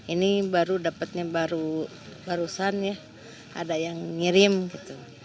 ini baru dapatnya barusan ya ada yang ngirim gitu